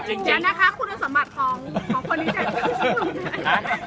จริงจริงแนนคะคุณอันสมัครของของผู้รู้จัด